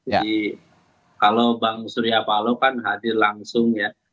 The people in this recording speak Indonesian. jadi kalau bang surya paolo kan hadir langsung ya